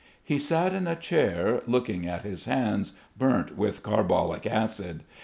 He sat in a chair looking at his hands burnt with carbolic acid.